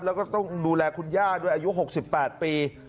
แล้วก็ต้องดูแลคุณย่าด้วยอายุหกสิบแปดปี